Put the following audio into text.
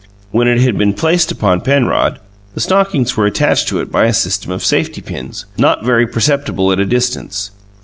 When it had been placed upon Penrod, the stockings were attached to it by a system of safety pins, not very perceptible at a distance.